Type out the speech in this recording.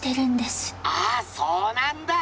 あそうなんだ！